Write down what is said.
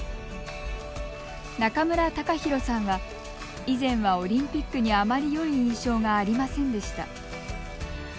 中村貴弘さんは以前はオリンピックに、あまりよい印象がありませんでした。